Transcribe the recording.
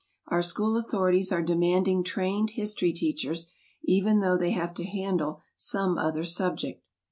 Our school authorities are demanding trained history teachers, even though they have to handle some other subject.